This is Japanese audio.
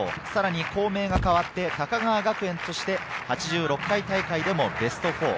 さらに校名が変わって高川学園として８６回大会でもベスト４。